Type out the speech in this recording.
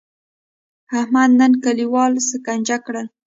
احمد نن کلیوال سکنجه کړل.